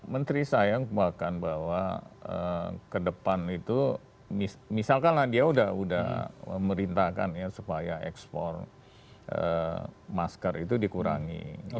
menteri saya mengubahkan bahwa ke depan itu misalkan dia sudah merintahkan supaya ekspor masker itu dikurangi